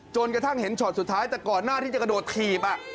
จนกระทั่งเห็นช็อตสุดท้ายแต่ก่อนหน้าที่จะกระโดดถีบ